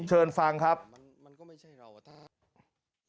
เชิญฟังครับ